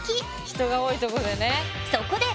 人が多いとこでね。